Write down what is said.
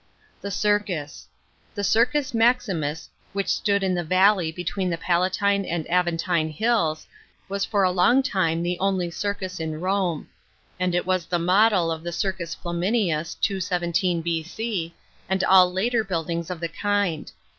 § 22. THE CIRCUS. — The Circus Maxinnis, which stood iu the valley between the Palatine and Aveutine hills, was for along time the only circus at Rome ; and it was the model of the Circus Fla minius (217 B.c ), and all later buildings of the kind.